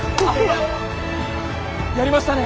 やりましたね。